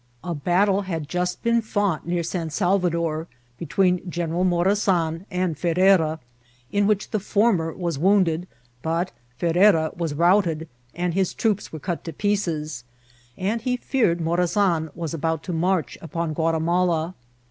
A battle had just been fought near San Salvador, between General Morazan and Ferrera, in which the former was wounded, but Ferrera was rout ed, and his troops were cut to pieces, and he feared Morazan was about to march upon Guatimala.